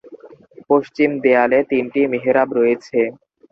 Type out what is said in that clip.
পশ্চিম দেয়ালে তিনটি মিহরাব রয়েছে।